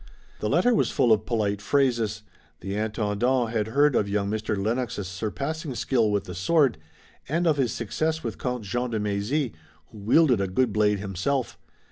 The letter was full of polite phrases. The Intendant had heard of young Mr. Lennox's surpassing skill with the sword, and of his success with Count Jean de Mézy, who wielded a good blade himself.